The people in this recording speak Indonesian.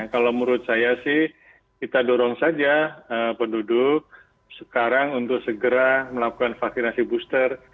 kalau menurut saya sih kita dorong saja penduduk sekarang untuk segera melakukan vaksinasi booster